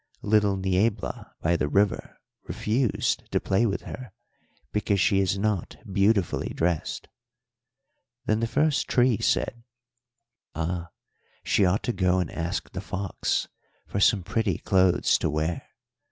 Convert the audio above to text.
Little Niebla by the river refused to play with her because she is not beautifully dressed.' "Then the first tree said, 'Ah, she ought to go and ask the fox for some pretty clothes to wear.